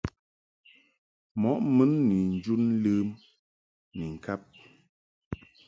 Mɔʼ mun ni njun ləm ni ŋkab .